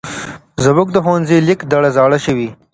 زمونږ د ښونځې لېک دړه زاړه شوی.